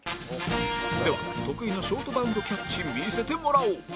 では得意のショートバウンドキャッチ見せてもらおう